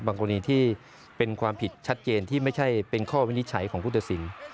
กรณีที่เป็นความผิดชัดเจนที่ไม่ใช่เป็นข้อวินิจฉัยของผู้ตัดสิน